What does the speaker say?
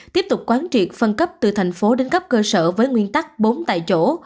tiếp tục quán triệt phân cấp từ thành phố đến cấp cơ sở với nguyên tắc bốn tại chỗ